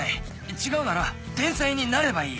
違うなら天才になればいい。